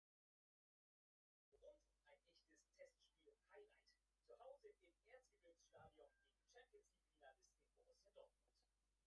Předsydstwo Domowiny bě čestnohamtske a so pozdźišo hłownohamtsce wukonješe.